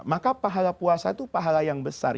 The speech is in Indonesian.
maka pahala puasa itu pahala yang besar